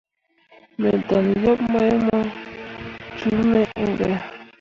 Me dan yeb mai mu cume iŋ be.